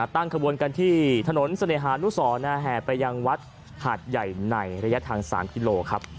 ตั้งขบวนกันที่ถนนเสน่หานุสรแห่ไปยังวัดหาดใหญ่ในระยะทาง๓กิโลครับ